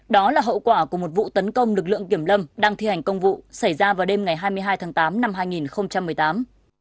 đó là hậu quả của một vụ tấn công lực lượng kiểm lâm đang thi hành công vụ xảy ra vào đêm ngày hai mươi hai tháng tám năm hai nghìn một mươi tám